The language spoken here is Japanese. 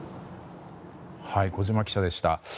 小島記者でした。